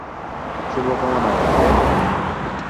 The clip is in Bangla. শুভকামনা, ওকে?